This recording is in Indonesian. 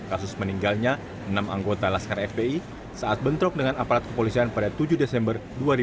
kasus meninggalnya enam anggota laskar fpi saat bentrok dengan aparat kepolisian pada tujuh desember dua ribu dua puluh